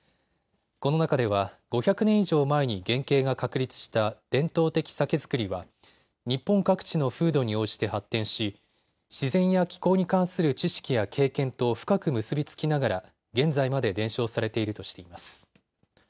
この中では５００年以上前に原型が確立した伝統的酒造りは日本各地の風土に応じて発展し、自然や気候に関する知識や経験と深く結び付きながら現在まで伝承されているとしています。